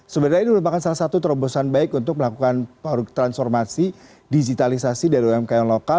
sebenarnya ini merupakan salah satu terobosan baik untuk melakukan transformasi digitalisasi dari umkm lokal